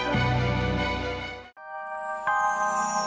tante kita harus berhenti